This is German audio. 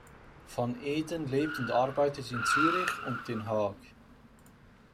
Van Eeden lebt und arbeitet in Zürich und Den Haag.